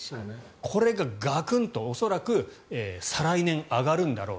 これがガクンと恐らく再来年、上がるんだろう。